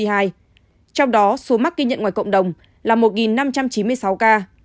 trong đó số mắc ghi nhận ngoài cộng đồng là một năm trăm chín mươi sáu ca